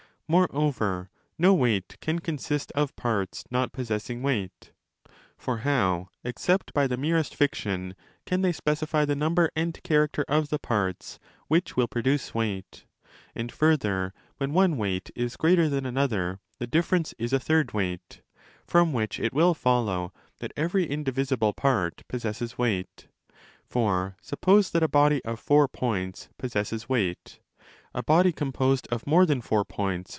Moreover, no weight can consist of parts not possessing weight. For how, except by the merest fiction, can they specify the number and character of the parts which will produce weight? And, further, when one weight is greater than another, the difference is a third weight ; from which it will follow that every indivisible part possesses weight. For suppose that a body of four points possesses weight. A body composed of more than four points!